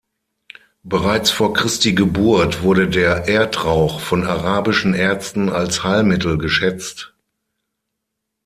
Bereits vor Christi Geburt wurde der „Erdrauch“ von arabischen Ärzten als Heilmittel geschätzt.